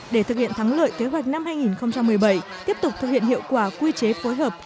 để thực hiện thắng lợi kế hoạch năm hai nghìn một mươi bảy tiếp tục thực hiện hiệu quả quy chế phối hợp